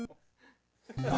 何？